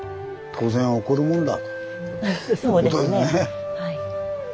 そうですね。